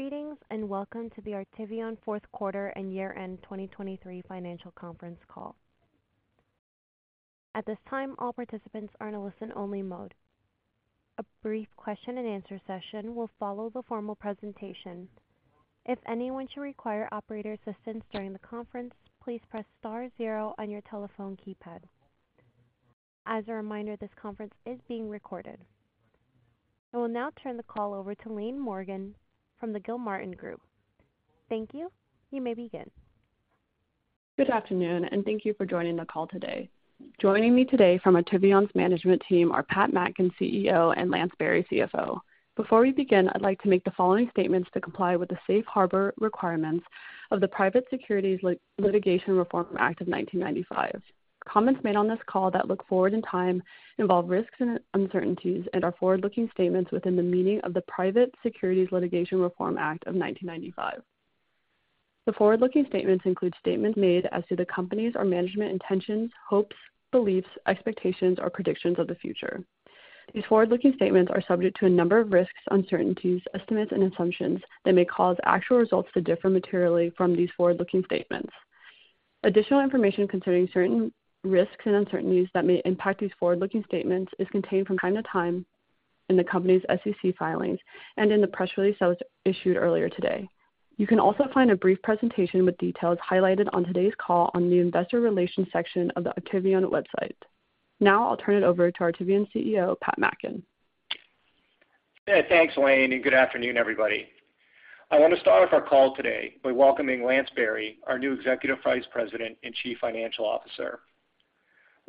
Greetings, and welcome to the Artivion Q4 and year-end 2023 financial conference call. At this time, all participants are in a listen-only mode. A brief question and answer session will follow the formal presentation. If anyone should require operator assistance during the conference, please press star zero on your telephone keypad. As a reminder, this conference is being recorded. I will now turn the call over to Laine Morgan from the Gilmartin Group. Thank you. You may begin. Good afternoon, and thank you for joining the call today. Joining me today from Artivion's management team are Pat Mackin, CEO, and Lance Berry, CFO. Before we begin, I'd like to make the following statements to comply with the safe harbor requirements of the Private Securities Litigation Reform Act of 1995. Comments made on this call that look forward in time involve risks and uncertainties and are forward-looking statements within the meaning of the Private Securities Litigation Reform Act of 1995. The forward-looking statements include statements made as to the company's or management intentions, hopes, beliefs, expectations, or predictions of the future. These forward-looking statements are subject to a number of risks, uncertainties, estimates, and assumptions that may cause actual results to differ materially from these forward-looking statements. Additional information concerning certain risks and uncertainties that may impact these forward-looking statements is contained from time to time in the company's SEC filings and in the press release that was issued earlier today. You can also find a brief presentation with details highlighted on today's call on the Investor Relations section of the Artivion website. Now I'll turn it over to Artivion's CEO, Pat Mackin. Yeah, thanks, Laine, and good afternoon, everybody. I want to start off our call today by welcoming Lance Berry, our new Executive Vice President and Chief Financial Officer.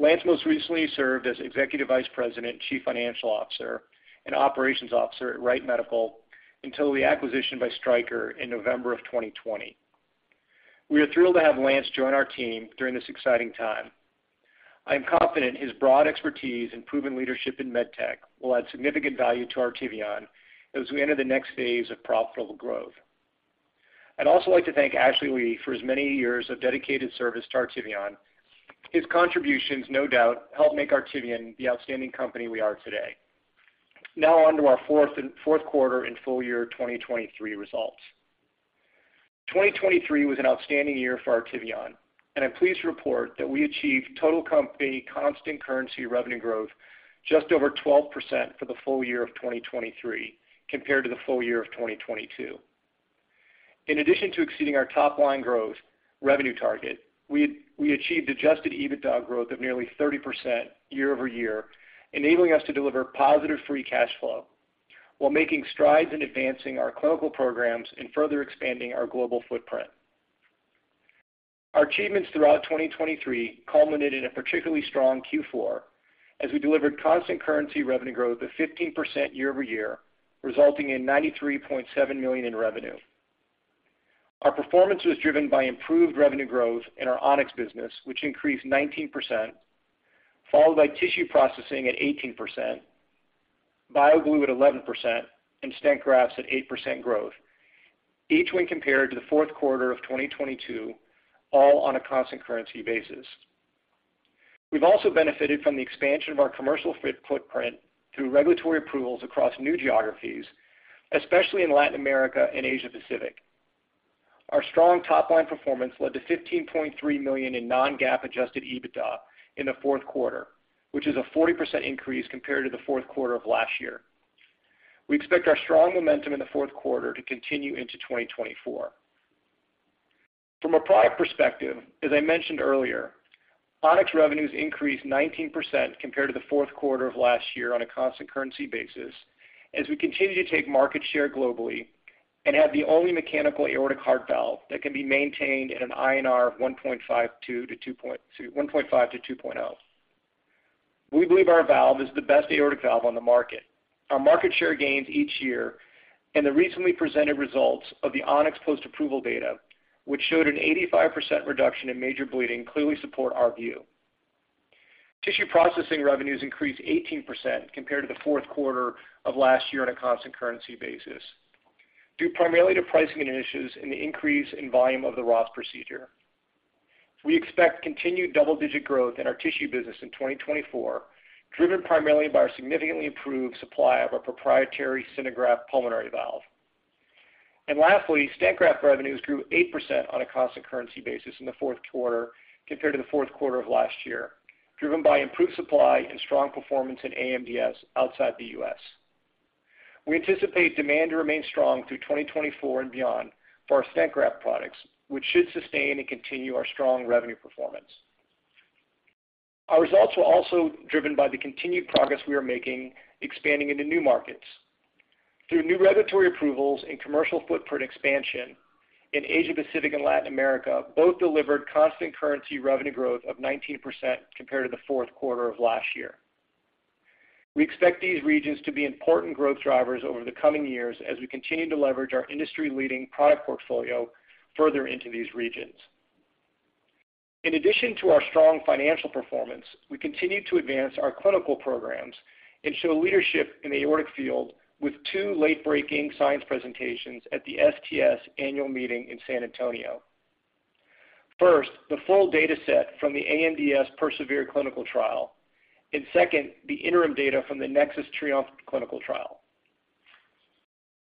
Lance most recently served as Executive Vice President, Chief Financial Officer, and Operations Officer at Wright Medical until the acquisition by Stryker in November of 2020. We are thrilled to have Lance join our team during this exciting time. I am confident his broad expertise and proven leadership in medtech will add significant value to Artivion as we enter the next phase of profitable growth. I'd also like to thank Ashley Lee for his many years of dedicated service to Artivion. His contributions, no doubt, helped make Artivion the outstanding company we are today. Now on to our Q4 and full year 2023 results. 2023 was an outstanding year for Artivion, and I'm pleased to report that we achieved total company constant currency revenue growth just over 12% for the full year of 2023 compared to the full year of 2022. In addition to exceeding our top-line growth revenue target, we achieved adjusted EBITDA growth of nearly 30% year-over-year, enabling us to deliver positive free cash flow while making strides in advancing our clinical programs and further expanding our global footprint. Our achievements throughout 2023 culminated in a particularly strong Q4, as we delivered constant currency revenue growth of 15% year-over-year, resulting in $93.7 million in revenue. Our performance was driven by improved revenue growth in our On-X business, which increased 19%, followed by tissue processing at 18%, BioGlue at 11%, and stent grafts at 8% growth, each when compared to the Q4 of 2022, all on a constant currency basis. We've also benefited from the expansion of our commercial footprint through regulatory approvals across new geographies, especially in Latin America and Asia Pacific. Our strong top-line performance led to $15.3 million in non-GAAP adjusted EBITDA in the Q4, which is a 40% increase compared to the Q4 of last year. We expect our strong momentum in the Q4 to continue into 2024. From a product perspective, as I mentioned earlier, On-X revenues increased 19% compared to the Q4 of last year on a constant currency basis, as we continue to take market share globally and have the only mechanical aortic heart valve that can be maintained at an INR of 1.5-2.0. We believe our valve is the best aortic valve on the market. Our market share gains each year and the recently presented results of the On-X post-approval data, which showed an 85% reduction in major bleeding, clearly support our view. Tissue processing revenues increased 18% compared to the Q4 of last year on a constant currency basis, due primarily to pricing initiatives and the increase in volume of the Ross Procedure. We expect continued double-digit growth in our tissue business in 2024, driven primarily by our significantly improved supply of our proprietary SynerGraft pulmonary valve. And lastly, stent graft revenues grew 8% on a constant currency basis in the Q4 compared to the Q4 of last year, driven by improved supply and strong performance in AMDS outside the U.S.. We anticipate demand to remain strong through 2024 and beyond for our stent graft products, which should sustain and continue our strong revenue performance. Our results were also driven by the continued progress we are making expanding into new markets. Through new regulatory approvals and commercial footprint expansion in Asia Pacific and Latin America, both delivered constant currency revenue growth of 19% compared to the Q4 of last year. We expect these regions to be important growth drivers over the coming years as we continue to leverage our industry-leading product portfolio further into these regions. In addition to our strong financial performance, we continued to advance our clinical programs and show leadership in the aortic field with two late-breaking science presentations at the STS annual meeting in San Antonio.... First, the full data set from the AMDS PERSEVERE clinical trial, and second, the interim data from the NEXUS TRIUMPH clinical trial.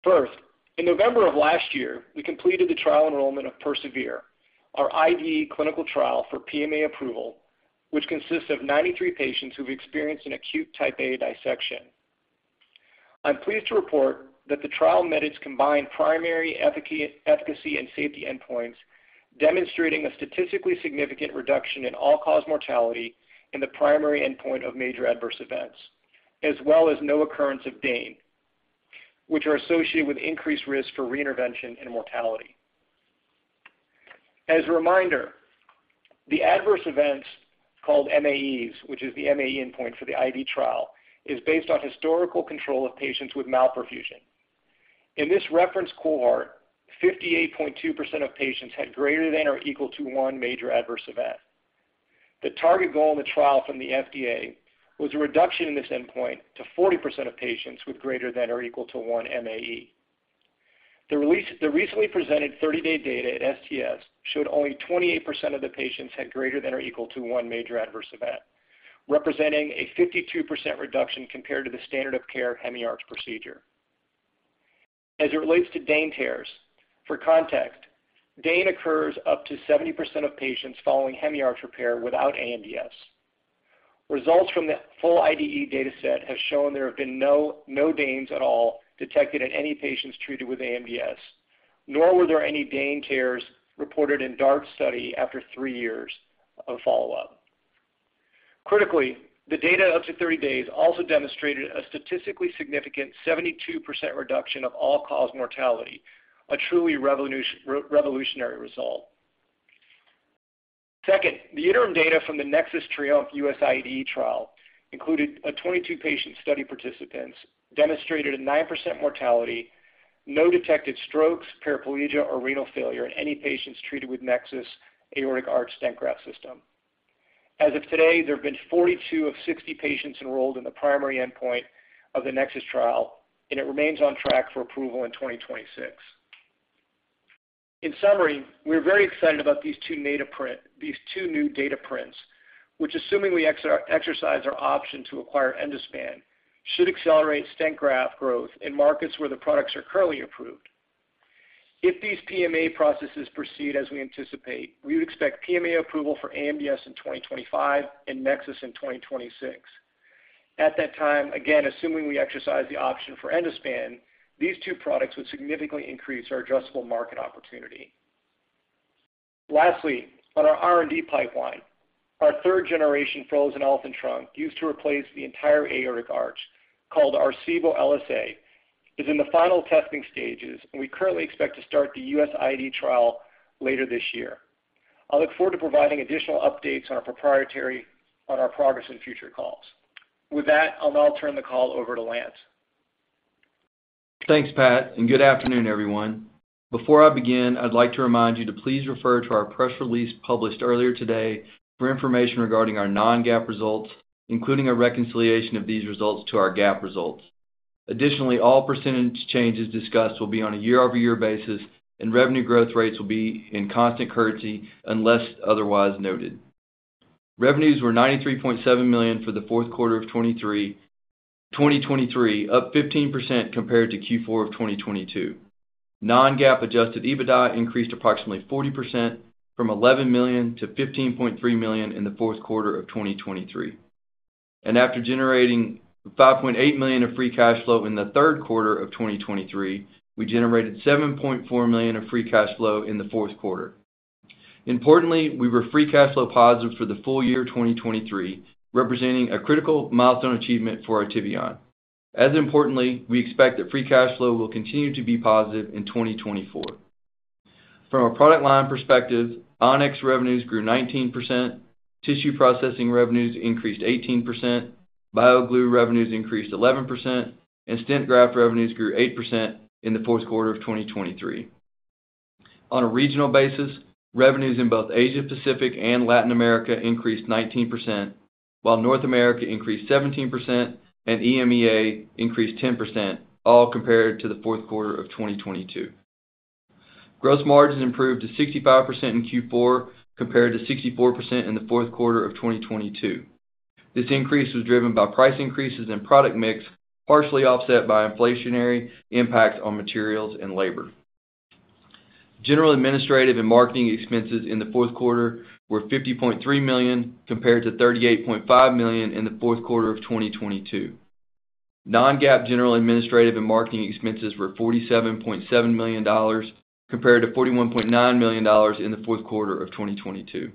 First, in November of last year, we completed the trial enrollment of PERSEVERE, our IDE clinical trial for PMA approval, which consists of 93 patients who've experienced an acute Type A dissection. I'm pleased to report that the trial met its combined primary efficacy, efficacy, and safety endpoints, demonstrating a statistically significant reduction in all-cause mortality in the primary endpoint of major adverse events, as well as no occurrence of DANE, which are associated with increased risk for reintervention and mortality. As a reminder, the adverse events, called MAEs, which is the MAE endpoint for the IDE trial, is based on historical control of patients with malperfusion. In this reference cohort, 58.2% of patients had greater than or equal to one major adverse event. The target goal in the trial from the FDA was a reduction in this endpoint to 40% of patients with greater than or equal to one MAE. The recently presented 30-day data at STS showed only 28% of the patients had greater than or equal to one major adverse event, representing a 52% reduction compared to the standard of care Hemi-Arch procedure. As it relates to DANE tears, for context, DANE occurs up to 70% of patients following Hemi-Arch repair without AMDS. Results from the full IDE data set have shown there have been no DANEs at all detected in any patients treated with AMDS, nor were there any DANE tears reported in DARTS study after 3 years of follow-up. Critically, the data up to 30 days also demonstrated a statistically significant 72% reduction of all-cause mortality, a truly revolutionary result. Second, the interim data from the NEXUS TRIUMPH U.S. IDE trial included a 22-patient study participants, demonstrated a 9% mortality, no detected strokes, paraplegia, or renal failure in any patients treated with NEXUS Aortic Arch Stent Graft System. As of today, there have been 42 of 60 patients enrolled in the primary endpoint of the NEXUS trial, and it remains on track for approval in 2026. In summary, we're very excited about these two data print-- these two new data prints, which, assuming we exercise our option to acquire Endospan, should accelerate stent graft growth in markets where the products are currently approved. If these PMA processes proceed as we anticipate, we would expect PMA approval for AMDS in 2025 and NEXUS in 2026. At that time, again, assuming we exercise the option for Endospan, these two products would significantly increase our addressable market opportunity. Lastly, on our R&D pipeline, our third-generation frozen elephant trunk, used to replace the entire aortic arch, called Arcevo LSA, is in the final testing stages, and we currently expect to start the U.S. IDE trial later this year. I look forward to providing additional updates on our proprietary progress in future calls. With that, I'll now turn the call over to Lance. Thanks, Pat, and good afternoon, everyone. Before I begin, I'd like to remind you to please refer to our press release published earlier today for information regarding our non-GAAP results, including a reconciliation of these results to our GAAP results. Additionally, all percentage changes discussed will be on a year-over-year basis, and revenue growth rates will be in constant currency unless otherwise noted. Revenues were $93.7 million for the Q4 of 2023, up 15% compared to Q4 of 2022. Non-GAAP adjusted EBITDA increased approximately 40% from $11 million to $15.3 million in the Q4 of 2023. After generating $5.8 million of free cash flow in the Q3 of 2023, we generated $7.4 million of free cash flow in the Q4. Importantly, we were free cash flow positive for the full year of 2023, representing a critical milestone achievement for Artivion. As importantly, we expect that free cash flow will continue to be positive in 2024. From a product line perspective, On-X revenues grew 19%, tissue processing revenues increased 18%, BioGlue revenues increased 11%, and stent graft revenues grew 8% in the Q4 of 2023. On a regional basis, revenues in both Asia Pacific and Latin America increased 19%, while North America increased 17% and EMEA increased 10%, all compared to the Q4 of 2022. Gross margins improved to 65% in Q4, compared to 64% in the Q4 of 2022. This increase was driven by price increases in product mix, partially offset by inflationary impacts on materials and labor. General administrative and marketing expenses in the Q4 were $50.3 million, compared to $38.5 million in the Q4 of 2022. Non-GAAP general, administrative, and marketing expenses were $47.7 million, compared to $41.9 million in the Q4 of 2022.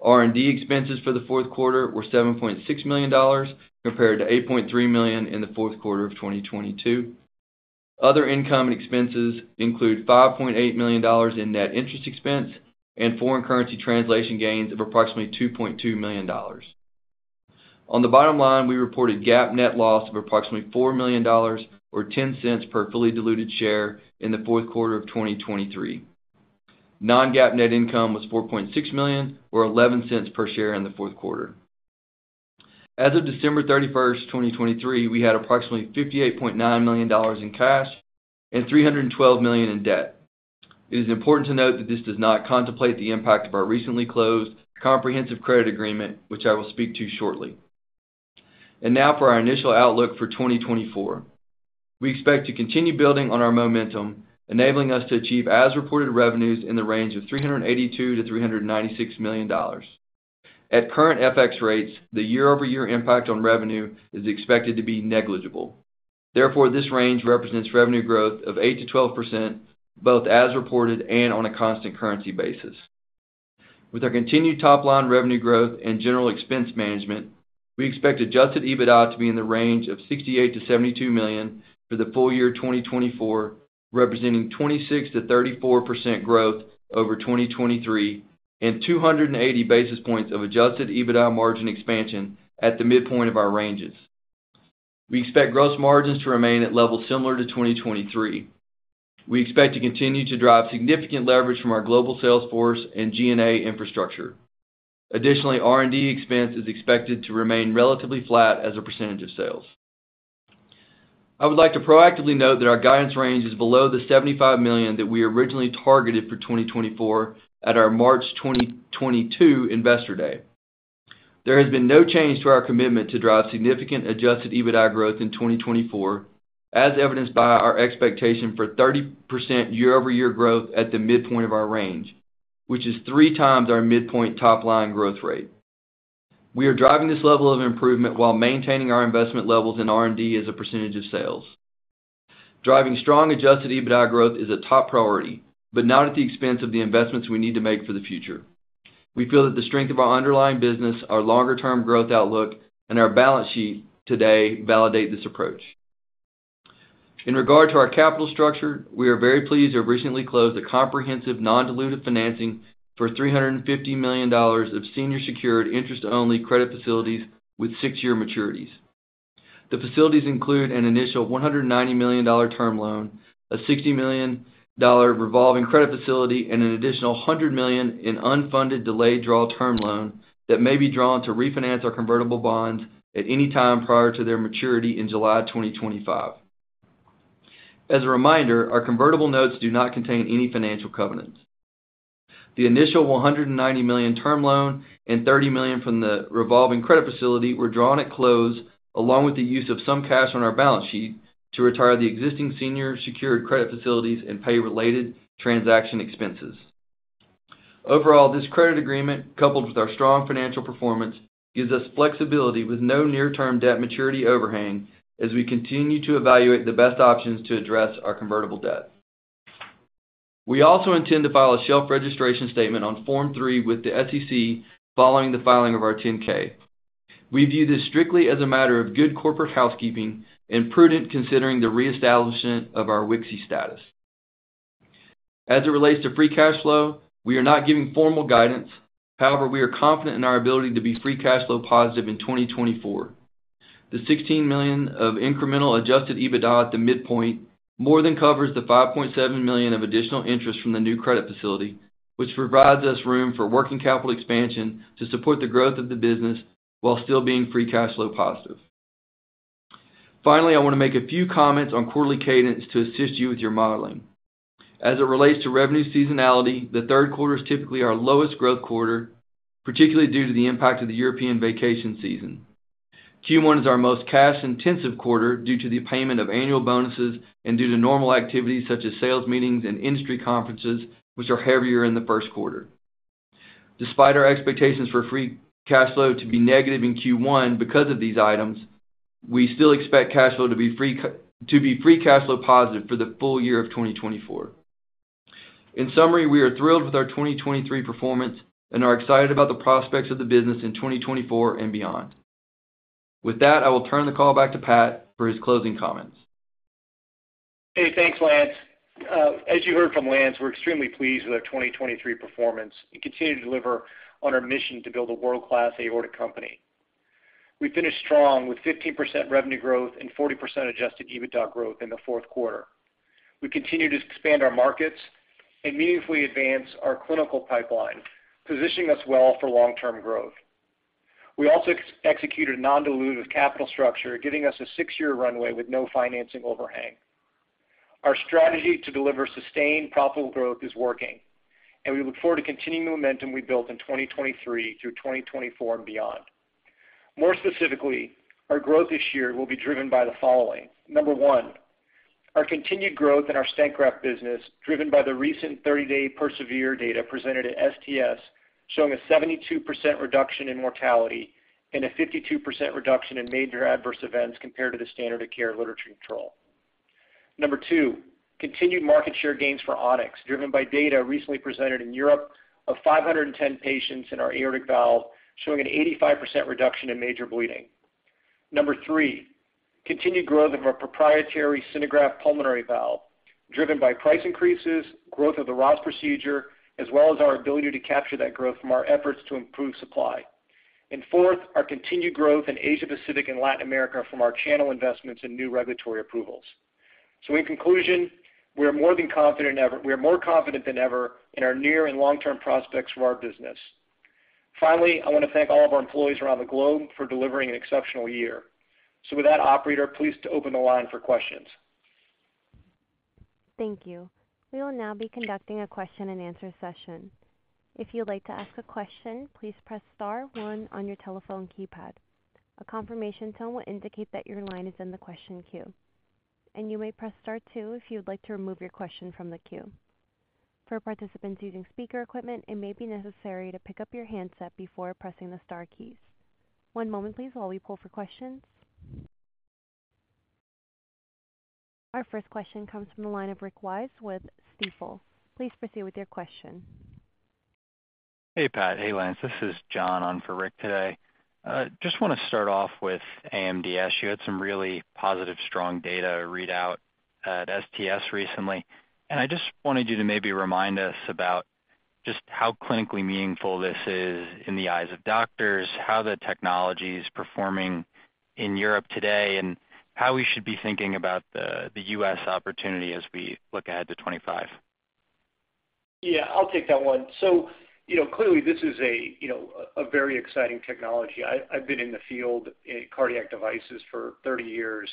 R&D expenses for the Q4 were $7.6 million, compared to $8.3 million in the Q4 of 2022. Other income and expenses include $5.8 million in net interest expense and foreign currency translation gains of approximately $2.2 million. On the bottom line, we reported GAAP net loss of approximately $4 million, or $0.10 per fully diluted share in the Q4 of 2023. Non-GAAP net income was $4.6 million, or $0.11 per share in the Q4.... As of December 31st, 2023, we had approximately $58.9 million in cash and $312 million in debt. It is important to note that this does not contemplate the impact of our recently closed comprehensive credit agreement, which I will speak to shortly. Now for our initial outlook for 2024. We expect to continue building on our momentum, enabling us to achieve, as reported, revenues in the range of $382 million-$396 million. At current FX rates, the year-over-year impact on revenue is expected to be negligible. Therefore, this range represents revenue growth of 8%-12%, both as reported and on a constant currency basis. With our continued top-line revenue growth and general expense management, we expect adjusted EBITDA to be in the range of $68 million-$72 million for the full year 2024, representing 26%-34% growth over 2023 and 280 basis points of adjusted EBITDA margin expansion at the midpoint of our ranges. We expect gross margins to remain at levels similar to 2023. We expect to continue to drive significant leverage from our global sales force and G&A infrastructure. Additionally, R&D expense is expected to remain relatively flat as a percentage of sales. I would like to proactively note that our guidance range is below the $75 million that we originally targeted for 2024 at our March 2022 Investor Day. There has been no change to our commitment to drive significant Adjusted EBITDA growth in 2024, as evidenced by our expectation for 30% year-over-year growth at the midpoint of our range, which is three times our midpoint top-line growth rate. We are driving this level of improvement while maintaining our investment levels in R&D as a percentage of sales. Driving strong Adjusted EBITDA growth is a top priority, but not at the expense of the investments we need to make for the future. We feel that the strength of our underlying business, our longer-term growth outlook, and our balance sheet today validate this approach. In regard to our capital structure, we are very pleased to have recently closed a comprehensive non-dilutive financing for $350 million of senior secured interest-only credit facilities with six-year maturities. The facilities include an initial $190 million term loan, a $60 million revolving credit facility, and an additional $100 million in unfunded delayed draw term loan that may be drawn to refinance our convertible bonds at any time prior to their maturity in July 2025. As a reminder, our convertible notes do not contain any financial covenants. The initial $190 million term loan and $30 million from the revolving credit facility were drawn at close, along with the use of some cash on our balance sheet, to retire the existing senior secured credit facilities and pay related transaction expenses. Overall, this credit agreement, coupled with our strong financial performance, gives us flexibility with no near-term debt maturity overhang as we continue to evaluate the best options to address our convertible debt. We also intend to file a shelf registration statement on Form S-3 with the SEC following the filing of our 10-K. We view this strictly as a matter of good corporate housekeeping and prudent, considering the reestablishment of our WKSI status. As it relates to free cash flow, we are not giving formal guidance. However, we are confident in our ability to be free cash flow positive in 2024. The $16 million of incremental adjusted EBITDA at the midpoint more than covers the $5.7 million of additional interest from the new credit facility, which provides us room for working capital expansion to support the growth of the business while still being free cash flow positive. Finally, I want to make a few comments on quarterly cadence to assist you with your modeling. As it relates to revenue seasonality, the Q3 is typically our lowest growth quarter, particularly due to the impact of the European vacation season. Q1 is our most cash-intensive quarter due to the payment of annual bonuses and due to normal activities such as sales meetings and industry conferences, which are heavier in the Q1. Despite our expectations for free cash flow to be negative in Q1 because of these items, we still expect cash flow to be free cash flow positive for the full year of 2024. In summary, we are thrilled with our 2023 performance and are excited about the prospects of the business in 2024 and beyond. With that, I will turn the call back to Pat for his closing comments. Hey, thanks, Lance. As you heard from Lance, we're extremely pleased with our 2023 performance and continue to deliver on our mission to build a world-class aortic company. We finished strong with 15% revenue growth and 40% adjusted EBITDA growth in the Q4. We continued to expand our markets and meaningfully advance our clinical pipeline, positioning us well for long-term growth. We also executed a non-dilutive capital structure, giving us a 6-year runway with no financing overhang. Our strategy to deliver sustained, profitable growth is working, and we look forward to continuing the momentum we built in 2023 through 2024 and beyond. More specifically, our growth this year will be driven by the following: number one, our continued growth in our Stent Graft business, driven by the recent 30-day PERSEVERE data presented at STS, showing a 72% reduction in mortality and a 52% reduction in major adverse events compared to the standard of care literature control. Number two, continued market share gains for On-X, driven by data recently presented in Europe of 510 patients in our aortic valve, showing an 85% reduction in major bleeding. Number three, continued growth of our proprietary SynerGraft pulmonary valve, driven by price increases, growth of the Ross Procedure, as well as our ability to capture that growth from our efforts to improve supply. And fourth, our continued growth in Asia Pacific and Latin America from our channel investments and new regulatory approvals. So in conclusion, we are more confident than ever in our near and long-term prospects for our business. Finally, I want to thank all of our employees around the globe for delivering an exceptional year. With that, operator, please open the line for questions. Thank you. We will now be conducting a question-and-answer session. If you'd like to ask a question, please press star one on your telephone keypad. A confirmation tone will indicate that your line is in the question queue, and you may press star two if you'd like to remove your question from the queue. For participants using speaker equipment, it may be necessary to pick up your handset before pressing the star keys. One moment please, while we pull for questions. Our first question comes from the line of Rick Wise with Stifel. Please proceed with your question. Hey, Pat. Hey, Lance. This is John on for Rick today. Just want to start off with AMDS. You had some really positive, strong data readout at STS recently, and I just wanted you to maybe remind us about just how clinically meaningful this is in the eyes of doctors, how the technology is performing in Europe today, and how we should be thinking about the U.S. opportunity as we look ahead to 25. Yeah, I'll take that one. So you know, clearly, this is a very exciting technology. I've been in the field in cardiac devices for 30 years,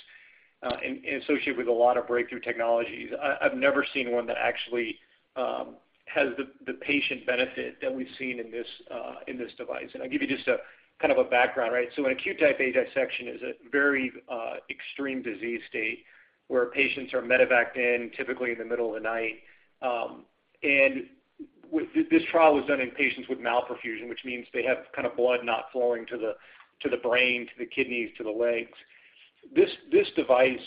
and associated with a lot of breakthrough technologies. I've never seen one that actually has the patient benefit that we've seen in this device. And I'll give you just a kind of a background, right? So an Acute Type A Dissection is a very extreme disease state, where patients are medevaced in, typically in the middle of the night. And with this, this trial was done in patients with Malperfusion, which means they have kind of blood not flowing to the brain, to the kidneys, to the legs. This device,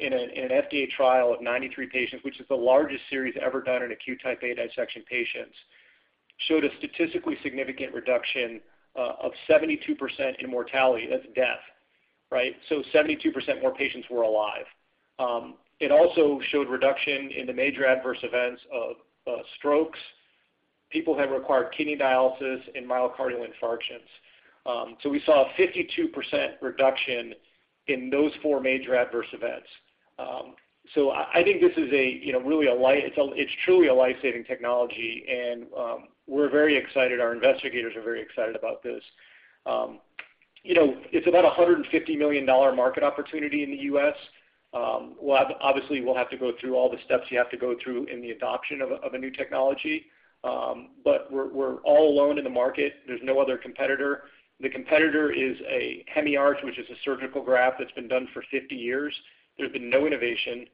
in an FDA trial of 93 patients, which is the largest series ever done in Acute Type A Dissection patients, showed a statistically significant reduction of 72% in mortality. That's death, right? So 72% more patients were alive. It also showed reduction in the major adverse events of strokes, people that required kidney dialysis and myocardial infarctions. So we saw a 52% reduction in those four major adverse events. So I think this is a, you know, really a life... It's truly a life-saving technology, and we're very excited. Our investigators are very excited about this. You know, it's about a $150 million market opportunity in the U.S.. Well, obviously, we'll have to go through all the steps you have to go through in the adoption of a new technology. But we're all alone in the market. There's no other competitor. The competitor is a Hemi-Arch, which is a surgical graft that's been done for 50 years. There's been no innovation.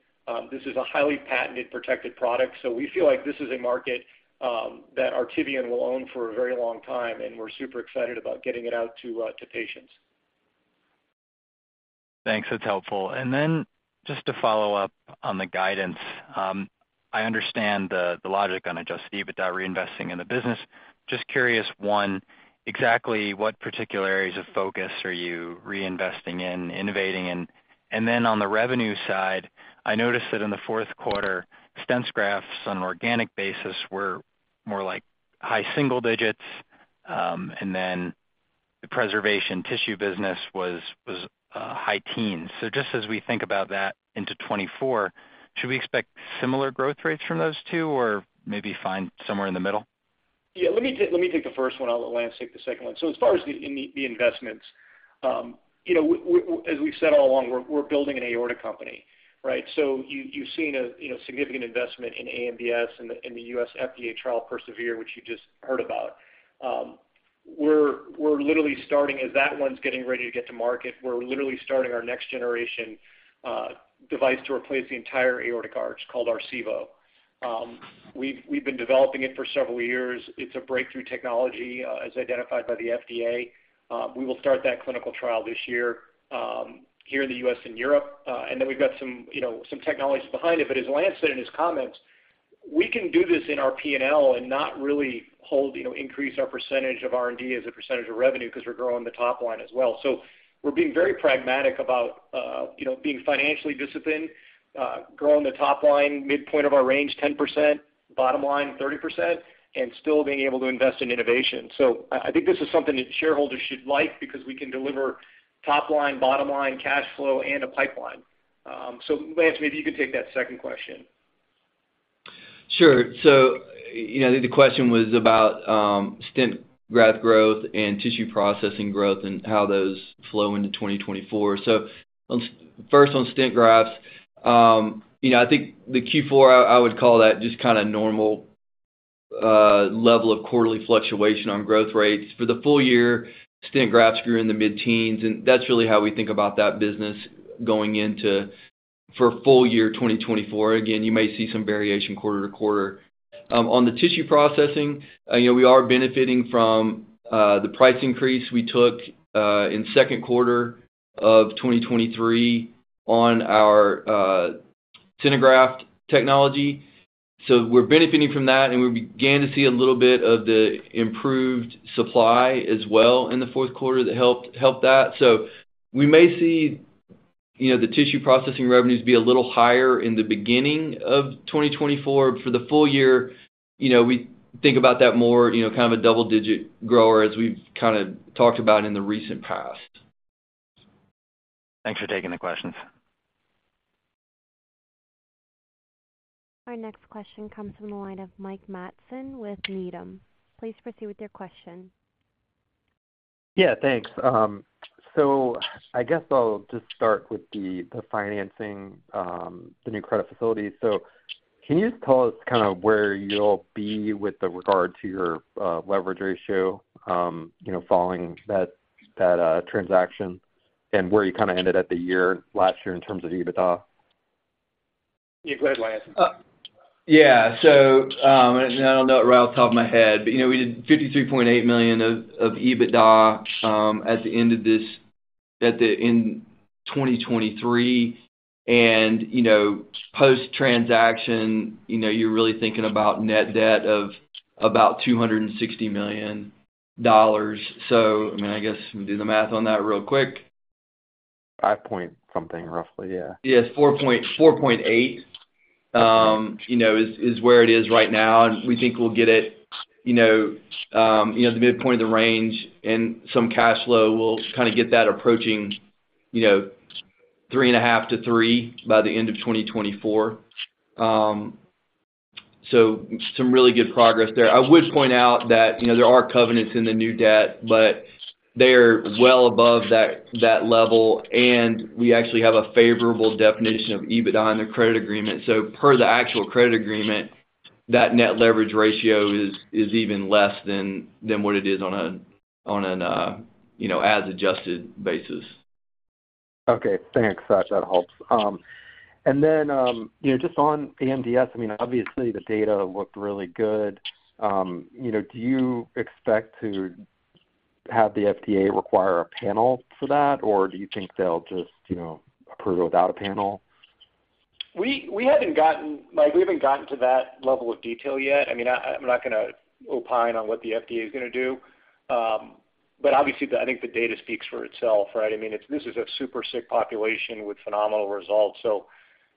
This is a highly patented, protected product, so we feel like this is a market that Artivion will own for a very long time, and we're super excited about getting it out to patients. Thanks, that's helpful. And then just to follow up on the guidance, I understand the logic on adjusted EBITDA, reinvesting in the business. Just curious, one, exactly what particular areas of focus are you reinvesting in, innovating in? And then on the revenue side, I noticed that in the Q4, stent grafts on an organic basis were more like high single digits, and then the preservation tissue business was high teens. So just as we think about that into 2024, should we expect similar growth rates from those two or maybe find somewhere in the middle? Yeah, let me take the first one. I'll let Lance take the second one. So as far as the investments, you know, we, as we've said all along, we're building an aorta company, right? So you've seen, you know, significant investment in AMDS in the U.S. FDA trial PERSEVERE, which you just heard about. We're literally starting as that one's getting ready to get to market, we're literally starting our next generation device to replace the entire aortic arch called Arcevo. We've been developing it for several years. It's a breakthrough technology as identified by the FDA. We will start that clinical trial this year here in the U.S. and Europe. And then we've got some, you know, some technologies behind it. But as Lance said in his comments, we can do this in our P&L and not really hold, you know, increase our percentage of R&D as a percentage of revenue because we're growing the top line as well. So we're being very pragmatic about, you know, being financially disciplined, growing the top line, midpoint of our range, 10%, bottom line, 30%, and still being able to invest in innovation. So I think this is something that shareholders should like because we can deliver top line, bottom line, cash flow, and a pipeline. So Lance, maybe you could take that second question. Sure. So, you know, I think the question was about, stent graft growth and tissue processing growth and how those flow into 2024. So on, first on stent grafts, you know, I would call that just kind of normal, level of quarterly fluctuation on growth rates. For the full year, stent grafts grew in the mid-teens, and that's really how we think about that business going into... for full year 2024. Again, you may see some variation quarter to quarter. On the tissue processing, you know, we are benefiting from, the price increase we took, in Q2 of 2023 on our, SynerGraft technology. So we're benefiting from that, and we began to see a little bit of the improved supply as well in the Q4 that helped that. So we may see, you know, the tissue processing revenues be a little higher in the beginning of 2024. For the full year, you know, think about that more, you know, kind of a double-digit grower as we've kind of talked about in the recent past. Thanks for taking the questions. Our next question comes from the line of Mike Matson with Needham. Please proceed with your question. Yeah, thanks. So I guess I'll just start with the financing, the new credit facility. So can you just tell us kind of where you'll be with regard to your leverage ratio, you know, following that transaction, and where you kind of ended at the year last year in terms of EBITDA? Yeah, go ahead, Lance. Yeah, so, I don't know it right off the top of my head, but, you know, we did $53.8 million of EBITDA at the end of 2023. And, you know, post-transaction, you know, you're really thinking about net debt of about $260 million. So, I mean, I guess we do the math on that real quick. 5 point something, roughly, yeah. Yes, 4.8, you know, is where it is right now, and we think we'll get it, you know, the midpoint of the range and some cash flow will kind of get that approaching, you know, 3.5-3 by the end of 2024. So some really good progress there. I would point out that, you know, there are covenants in the new debt, but they are well above that level, and we actually have a favorable definition of EBITDA on the credit agreement. So per the actual credit agreement, that net leverage ratio is even less than what it is on an as adjusted basis. Okay, thanks. That helps. And then, you know, just on AMDS, I mean, obviously the data looked really good. You know, do you expect to have the FDA require a panel for that, or do you think they'll just, you know, approve it without a panel? We haven't gotten to that level of detail yet, Mike. I mean, I'm not going to opine on what the FDA is going to do. But obviously, I think the data speaks for itself, right? I mean, it's this is a super sick population with phenomenal results, so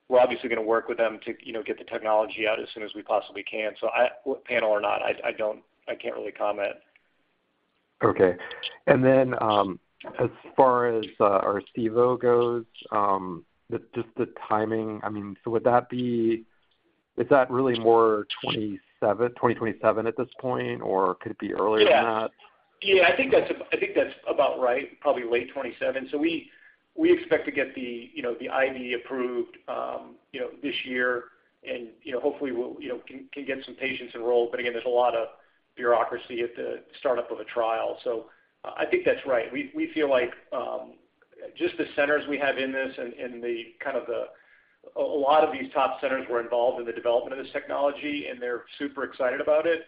we're obviously going to work with them to, you know, get the technology out as soon as we possibly can. So, panel or not, I don't... I can't really comment. Okay. And then, as far as our Sevo goes, just the timing, I mean, so would that be, is that really more 2027 at this point, or could it be earlier than that? Yeah. Yeah, I think that's, I think that's about right, probably late 2027. So we, we expect to get the, you know, the IDE approved, you know, this year, and, you know, hopefully, we'll, you know, can, can get some patients enrolled. But again, there's a lot of bureaucracy at the startup of a trial. So I think that's right. We, we feel like, just the centers we have in this and, and the kind of the... A lot of these top centers were involved in the development of this technology, and they're super excited about it.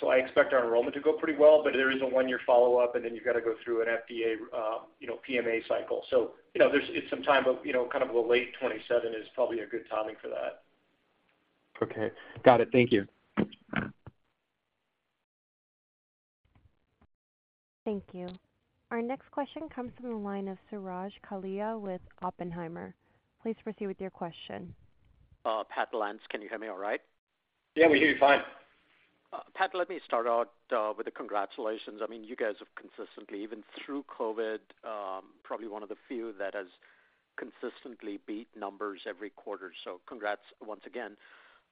So I expect our enrollment to go pretty well, but there is a one-year follow-up, and then you've got to go through an FDA, you know, PMA cycle. You know, there's some time, but, you know, kind of the late 2027 is probably a good timing for that. Okay. Got it. Thank you. Thank you. Our next question comes from the line of Suraj Kalia with Oppenheimer. Please proceed with your question. Pat Lance, can you hear me all right? Yeah, we hear you fine. Pat, let me start out with a congratulations. I mean, you guys have consistently, even through COVID, probably one of the few that has consistently beat numbers every quarter. So congrats once again.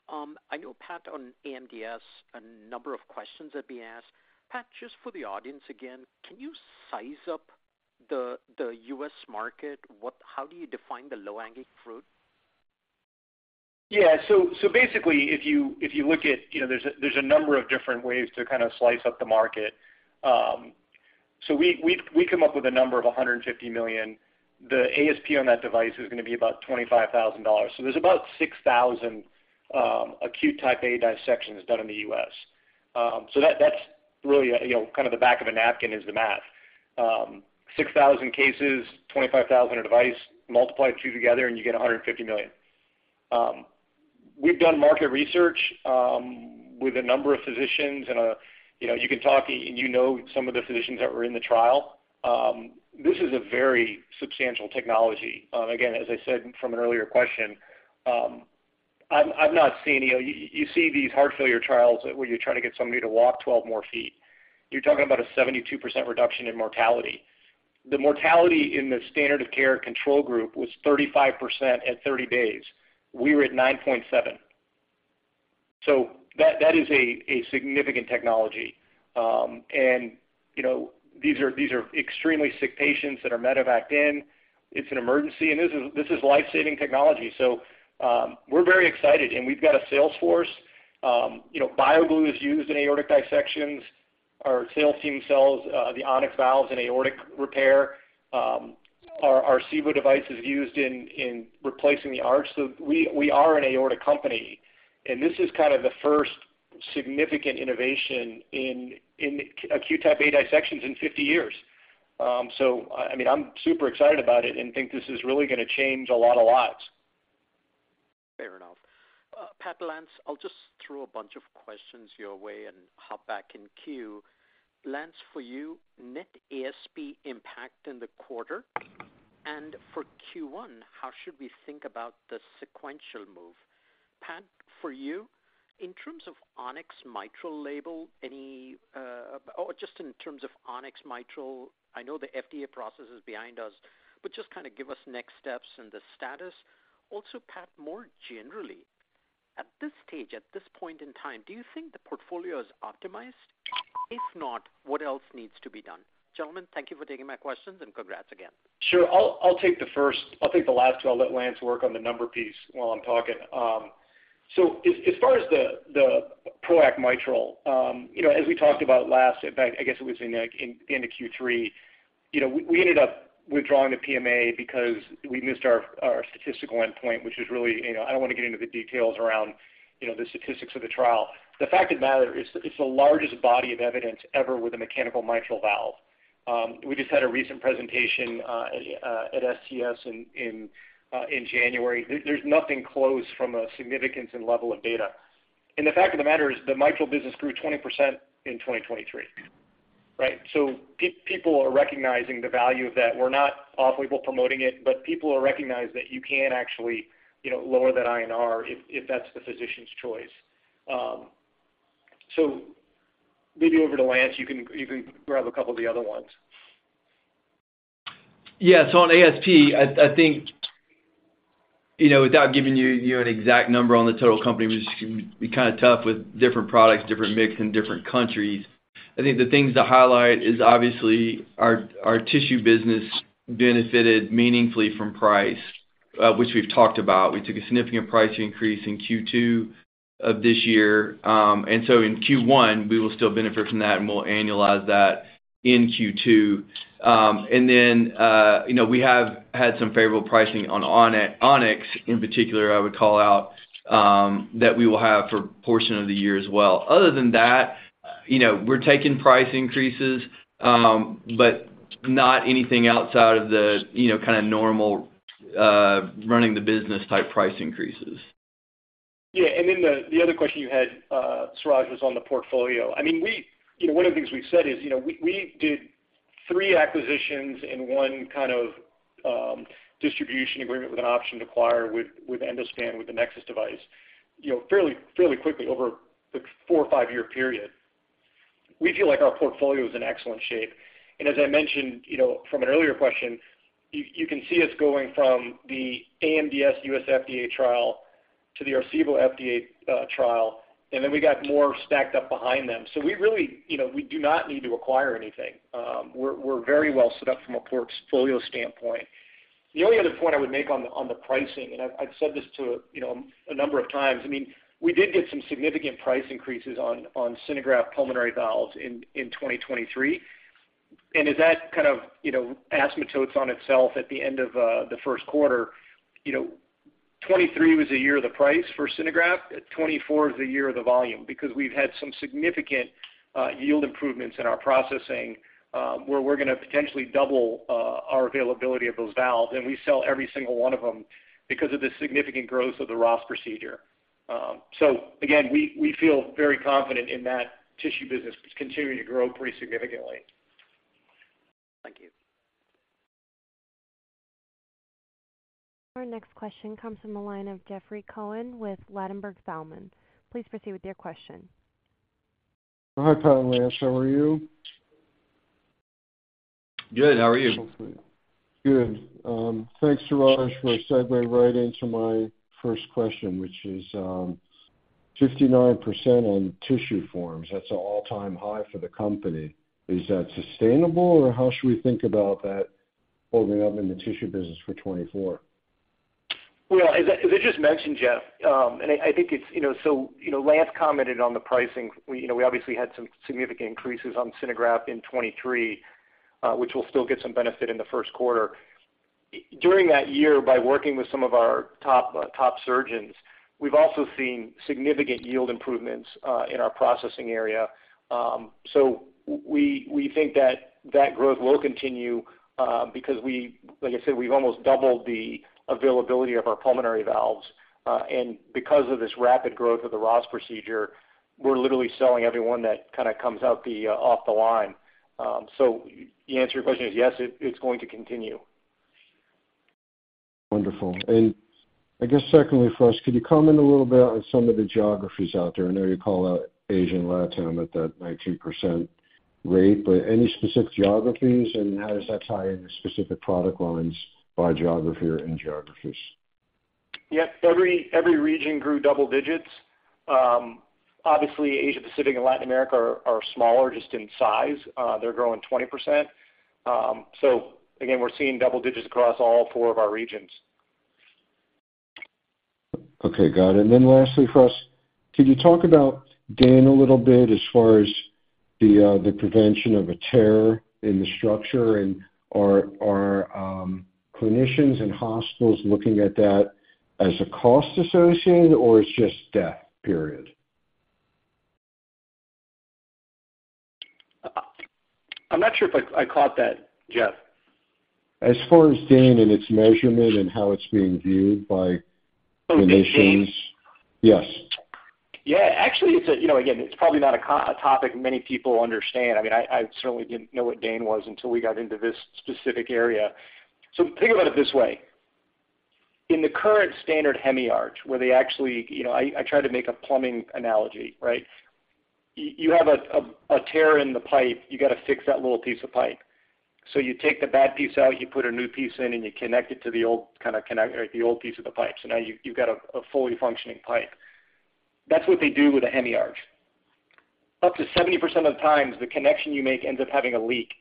I know, Pat, on AMDS, a number of questions have been asked. Pat, just for the audience, again, can you size up the U.S. market? What - How do you define the low-hanging fruit? Yeah, so basically, if you look at, you know, there's a number of different ways to kind of slice up the market. So we come up with a number of $150 million. The ASP on that device is going to be about $25,000. So there's about 6,000 Acute Type A dissections done in the U.S. So that's really, you know, kind of the back of a napkin is the math. 6,000 cases, $25,000 a device, multiply the two together, and you get $150 million. We've done market research with a number of physicians, and you know, you can talk, and you know some of the physicians that were in the trial. This is a very substantial technology. Again, as I said from an earlier question, I've not seen, you know... You see these heart failure trials where you're trying to get somebody to walk 12 more feet. You're talking about a 72% reduction in mortality. The mortality in the standard of care control group was 35% at 30 days. We were at 9.7%. So that is a significant technology. And, you know, these are extremely sick patients that are medevacked in. It's an emergency, and this is life-saving technology. So, we're very excited, and we've got a sales force. You know, BioGlue is used in aortic dissections. Our sales team sells the On-X valves in aortic repair. Our AMDS device is used in replacing the arch. So we are an aorta company, and this is kind of the first significant innovation in Acute Type A Dissections in 50 years. So, I mean, I'm super excited about it and think this is really going to change a lot of lives. Fair enough. Pat, Lance, I'll just throw a bunch of questions your way and hop back in queue.... Lance, for you, net ASP impact in the quarter, and for Q1, how should we think about the sequential move? Pat, for you, in terms of On-X mitral label, any, or just in terms of On-X mitral, I know the FDA process is behind us, but just kind of give us next steps and the status. Also, Pat, more generally, at this stage, at this point in time, do you think the portfolio is optimized? If not, what else needs to be done? Gentlemen, thank you for taking my questions, and congrats again. Sure. I'll take the first. I'll take the last two. I'll let Lance work on the number piece while I'm talking. So as far as the PROACT Mitral, you know, as we talked about last, in fact, I guess it was in, like, the end of Q3, you know, we ended up withdrawing the PMA because we missed our statistical endpoint, which is really, you know, I don't want to get into the details around, you know, the statistics of the trial. The fact of the matter is, it's the largest body of evidence ever with a mechanical mitral valve. We just had a recent presentation at STS in January. There's nothing close from a significance and level of data. The fact of the matter is, the mitral business grew 20% in 2023, right? So people are recognizing the value of that. We're not off-label promoting it, but people are recognized that you can actually, you know, lower that INR if that's the physician's choice. So maybe over to Lance, you can grab a couple of the other ones. Yeah, so on ASP, I think, you know, without giving you an exact number on the total company, which can be kind of tough with different products, different mix in different countries. I think the things to highlight is obviously our tissue business benefited meaningfully from price, which we've talked about. We took a significant price increase in Q2 of this year. And so in Q1, we will still benefit from that, and we'll annualize that in Q2. And then, you know, we have had some favorable pricing on On-X. On-X, in particular, I would call out, that we will have for a portion of the year as well. Other than that, you know, we're taking price increases, but not anything outside of the, you know, kind of normal, running the business type price increases. Yeah, and then the other question you had, Suraj, was on the portfolio. I mean, we, you know, one of the things we've said is, you know, we did three acquisitions and one kind of distribution agreement with an option to acquire with Endospan, with the NEXUS device, you know, fairly quickly over the four- or five-year period. We feel like our portfolio is in excellent shape. And as I mentioned, you know, from an earlier question, you can see us going from the AMDS U.S. FDA trial to the Arcevo FDA trial, and then we got more stacked up behind them. So we really, you know, we do not need to acquire anything. We're very well set up from a portfolio standpoint. The only other point I would make on the pricing, and I've said this to, you know, a number of times, I mean, we did get some significant price increases on SynerGraft pulmonary valves in 2023. And as that kind of, you know, asymptotes on itself at the end of the Q1, you know, 2023 was the year of the price for SynerGraft. 2024 is the year of the volume, because we've had some significant yield improvements in our processing, where we're going to potentially double our availability of those valves, and we sell every single one of them because of the significant growth of the Ross Procedure. So again, we feel very confident in that tissue business, which continue to grow pretty significantly. Thank you. Our next question comes from the line of Jeffrey Cohen with Ladenburg Thalmann. Please proceed with your question. Hi, Pat and Lance. How are you? Good. How are you? Good. Thanks, Suraj, for segue right into my first question, which is, 59% on tissue forms. That's an all-time high for the company. Is that sustainable, or how should we think about that opening up in the tissue business for 2024? Well, as I just mentioned, Jeff, and I think it's, you know, so, you know, Lance commented on the pricing. We, you know, we obviously had some significant increases on SynerGraft in 2023, which we'll still get some benefit in the Q1. During that year, by working with some of our top surgeons, we've also seen significant yield improvements in our processing area. So we think that growth will continue, because we, like I said, we've almost doubled the availability of our pulmonary valves, and because of this rapid growth of the Ross procedure, we're literally selling every one that kind of comes out off the line. So the answer to your question is yes, it's going to continue. Wonderful. And I guess secondly, for us, could you comment a little bit on some of the geographies out there? I know you called out Asian, Latin at that 19% rate, but any specific geographies, and how does that tie into specific product lines by geography or in geographies? Yep. Every region grew double digits. Obviously, Asia Pacific and Latin America are smaller just in size. They're growing 20%. So again, we're seeing double digits across all four of our regions. Okay, got it. And then lastly, for us, could you talk about DANE a little bit as far as the prevention of a tear in the structure, and are clinicians and hospitals looking at that as a cost associated, or it's just death, period? I'm not sure if I caught that, Jeff.... As far as DANE and its measurement and how it's being viewed by the nations? You mean DANE? Yes. Yeah, actually, it's a, you know, again, it's probably not a, a topic many people understand. I mean, I, I certainly didn't know what DANE was until we got into this specific area. So think about it this way. In the current standard Hemi-Arch, where they actually, you know, I, I try to make a plumbing analogy, right? You, you have a, a tear in the pipe, you got to fix that little piece of pipe. So you take the bad piece out, you put a new piece in, and you connect it to the old kind of connect or the old piece of the pipe. So now you've, you've got a, a fully functioning pipe. That's what they do with a Hemi-Arch. Up to 70% of the times, the connection you make ends up having a leak,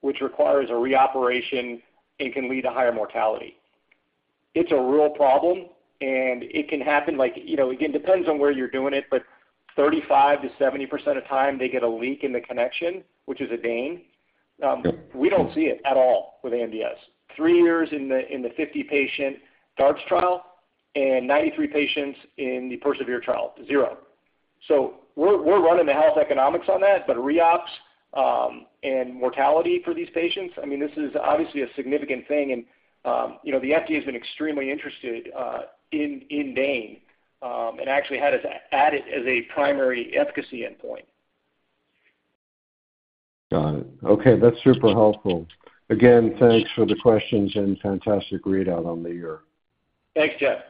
which requires a reoperation and can lead to higher mortality. It's a real problem, and it can happen like, you know, again, depends on where you're doing it, but 35%-70% of time, they get a leak in the connection, which is a DANE. We don't see it at all with AMDS. Three years in the 50-patient DARTS trial and 93 patients in the PERSEVERE trial, zero. So we're running the health economics on that, but re-ops and mortality for these patients, I mean, this is obviously a significant thing. And you know, the FDA has been extremely interested in DANE and actually had us add it as a primary efficacy endpoint. Got it. Okay, that's super helpful. Again, thanks for the questions and fantastic readout on the year. Thanks, Jeff.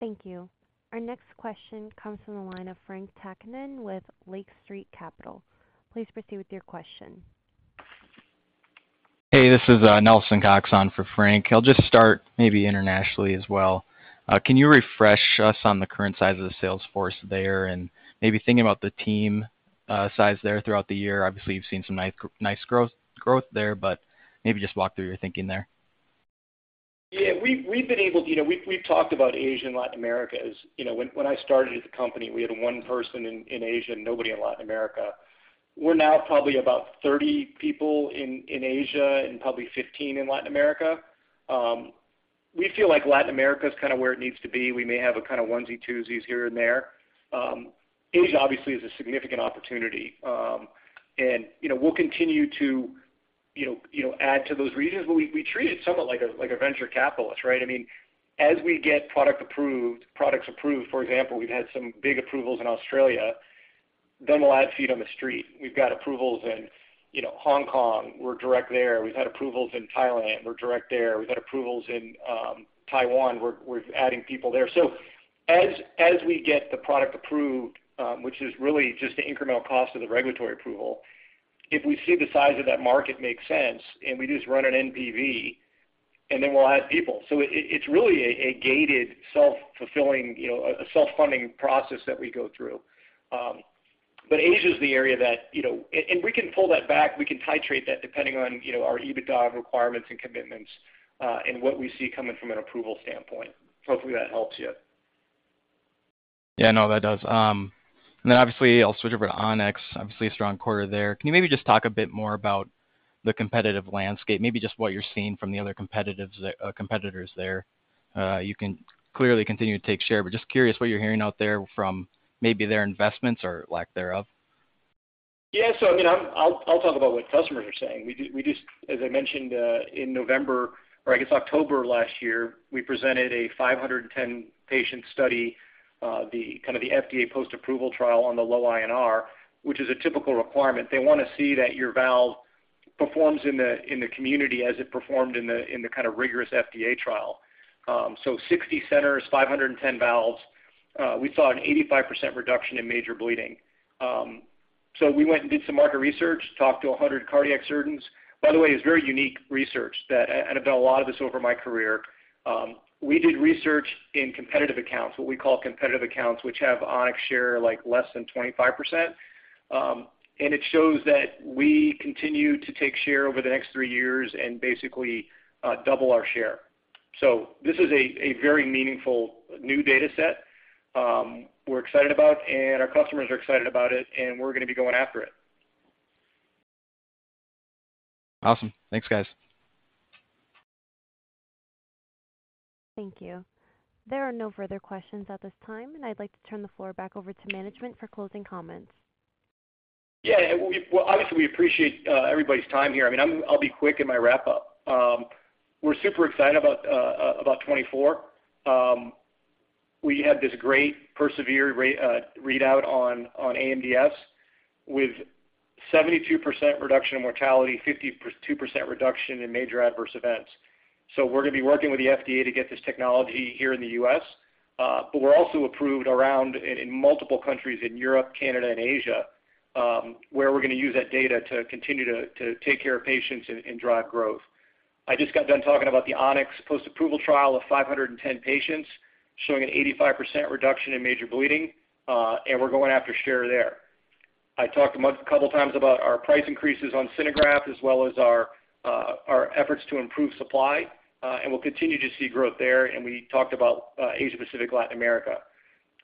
Thank you. Our next question comes from the line of Frank Takkinen with Lake Street Capital. Please proceed with your question. Hey, this is Nelson Cox on for Frank. I'll just start maybe internationally as well. Can you refresh us on the current size of the sales force there and maybe thinking about the team size there throughout the year? Obviously, you've seen some nice growth there, but maybe just walk through your thinking there. Yeah, we've been able to. You know, we've talked about Asia and Latin America. As you know, when I started at the company, we had one person in Asia and nobody in Latin America. We're now probably about 30 people in Asia and probably 15 in Latin America. We feel like Latin America is kind of where it needs to be. We may have a kind of onesie, twosies here and there. Asia, obviously, is a significant opportunity. And, you know, we'll continue to add to those regions, but we treat it somewhat like a venture capitalist, right? I mean, as we get products approved, for example, we've had some big approvals in Australia, then we'll add feet on the street. We've got approvals in Hong Kong. We're direct there. We've had approvals in Thailand. We're direct there. We've got approvals in Taiwan. We're adding people there. So as we get the product approved, which is really just the incremental cost of the regulatory approval, if we see the size of that market make sense, and we just run an NPV, and then we'll add people. So it's really a gated, self-fulfilling, you know, a self-funding process that we go through. But Asia is the area that, you know... We can pull that back, we can titrate that depending on, you know, our EBITDA requirements and commitments, and what we see coming from an approval standpoint. Hopefully, that helps you. Yeah, no, that does. And then obviously, I'll switch over to On-X. Obviously, a strong quarter there. Can you maybe just talk a bit more about the competitive landscape, maybe just what you're seeing from the other competitors there? You can clearly continue to take share, but just curious what you're hearing out there from maybe their investments or lack thereof. Yeah. So I mean, I'll talk about what customers are saying. As I mentioned, in November, or I guess October last year, we presented a 510 patient study, the kind of the FDA post-approval trial on the low INR, which is a typical requirement. They want to see that your valve performs in the, in the community as it performed in the, in the kind of rigorous FDA trial. So 60 centers, 510 valves, we saw an 85% reduction in major bleeding. So we went and did some market research, talked to 100 cardiac surgeons. By the way, it's very unique research that, and I've done a lot of this over my career. We did research in competitive accounts, what we call competitive accounts, which have On-X share, like, less than 25%. And it shows that we continue to take share over the next three years and basically, double our share. So this is a, a very meaningful new data set, we're excited about, and our customers are excited about it, and we're going to be going after it. Awesome. Thanks, guys. Thank you. There are no further questions at this time, and I'd like to turn the floor back over to management for closing comments. Yeah, well, obviously, we appreciate everybody's time here. I mean, I'll be quick in my wrap-up. We're super excited about 2024. We had this great PERSEVERE readout on AMDS with 72% reduction in mortality, 52% reduction in major adverse events. So we're going to be working with the FDA to get this technology here in the U.S., but we're also approved already in multiple countries in Europe, Canada, and Asia, where we're going to use that data to continue to take care of patients and drive growth. I just got done talking about the On-X post-approval trial of 510 patients, showing an 85% reduction in major bleeding, and we're going after share there. I talked a couple times about our price increases on SynerGraft, as well as our efforts to improve supply, and we'll continue to see growth there, and we talked about Asia Pacific, Latin America.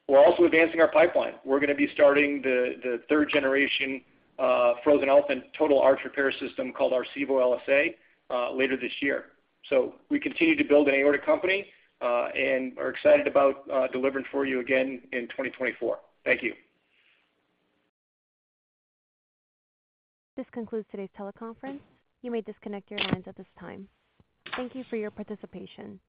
We're also advancing our pipeline. We're going to be starting the third generation frozen elephant trunk total arch repair system called Arcevo LSA later this year. So we continue to build an aorta company, and are excited about delivering for you again in 2024. Thank you. This concludes today's teleconference. You may disconnect your lines at this time. Thank you for your participation.